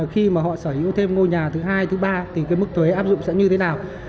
khi mà họ sở hữu thêm ngôi nhà thứ hai thứ ba thì cái mức thuế áp dụng sẽ như thế nào